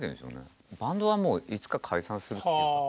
バンドはいつか解散するっていう。